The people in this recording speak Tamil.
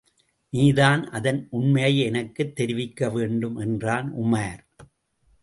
நீதான் அதன் உண்மையை எனக்குத் தெரிவிக்கவேண்டும் என்றான் உமார்.